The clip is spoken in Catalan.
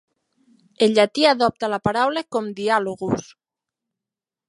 El llatí adopta la paraula com "Dialogus".